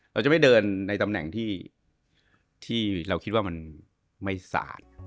เราจะไม่เดินในตำแหน่งที่เราคิดว่ามันไม่สาด